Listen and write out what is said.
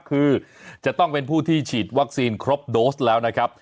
คือจะต้องเป็นผู้ที่ฉีดวัคซีนครบโดสแล้วนะครับ